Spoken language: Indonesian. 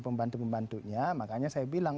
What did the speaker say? pembantu pembantunya makanya saya bilang